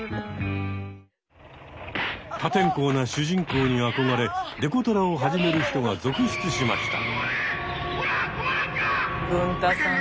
破天荒な主人公に憧れデコトラを始める人が続出しました。